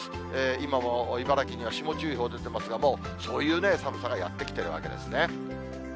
今も茨城には霜注意報出ていますが、もうそういう寒さがやって来てるわけですね。